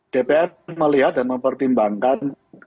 dpr melihat dan mempertimbangkan